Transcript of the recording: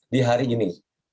di hari ini